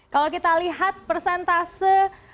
kalau kita lihat persentase